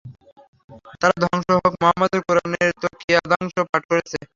তার ধ্বংস হোক মুহাম্মদের কুরআনেরই তো কিয়দাংশ পাঠ করছে।